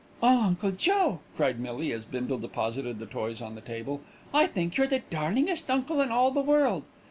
"Oh! Uncle Joe," cried Millie, as Bindle deposited the toys on the table. "I think you're the darlingest uncle in all the world."